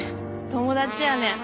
友達やねん。